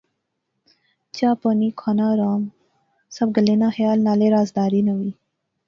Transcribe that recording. چاء پانی، کھانا آرام۔۔۔ سب گلیں ناں خیال۔ نالے رازداری ناں وی